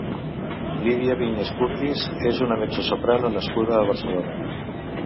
Lidia Vinyes Curtis és una mezzosoprano nascuda a Barcelona.